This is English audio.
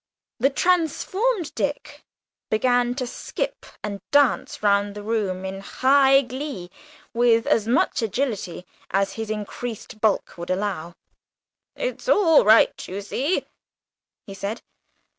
The transformed Dick began to skip and dance round the room in high glee, with as much agility as his increased bulk would allow. "It's all right, you see," he said.